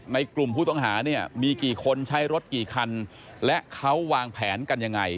ในกลุ่มผู้ต้องหาเนี่ยมีกี่คนใช้รถกี่คันและเขาวางแผนกันยังไง